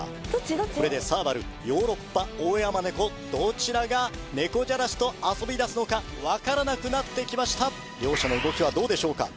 これでサーバルヨーロッパオオヤマネコどちらが猫じゃらしと遊びだすのか分からなくなってきました両者の動きはどうでしょうか？